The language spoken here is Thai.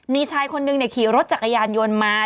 มีชายคนนึงขี่รถจักรยานยนต์มา